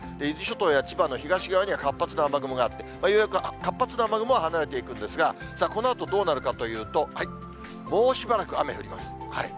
伊豆諸島や千葉の東側には活発な雨雲があって、ようやく活発な雨雲は離れていくんですが、このあとどうなるかというと、もうしばらく雨降ります。